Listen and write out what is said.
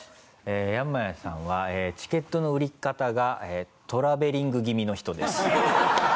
ヤマヤさんはチケットの売り方がトラベリング気味の人です。